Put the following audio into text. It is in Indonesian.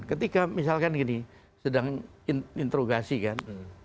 ketika misalkan gini sedang interogasi kan